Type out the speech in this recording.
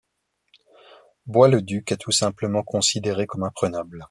Bois-le-Duc est tout simplement considérée comme imprenable.